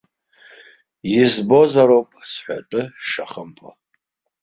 Избозароуп сҳәатәы шәшахымԥо!